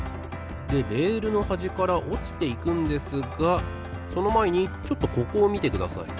でレールのはじからおちていくんですがそのまえにちょっとここをみてください。